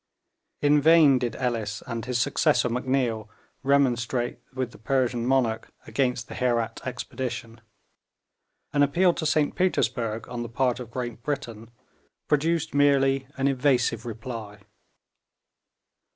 In vain did Ellis and his successor M'Neill remonstrate with the Persian monarch against the Herat expedition. An appeal to St Petersburg, on the part of Great Britain, produced merely an evasive reply.